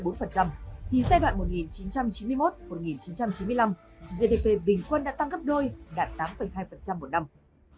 thì giai đoạn một nghìn chín trăm chín mươi một một nghìn chín trăm chín mươi năm gdp bình quân đã tăng gấp đôi đạt tám hai một năm